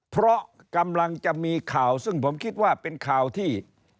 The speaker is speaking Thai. เพราะกำลังจะมีข่าวซึ่งผมคิดว่าเป็นข่าวที่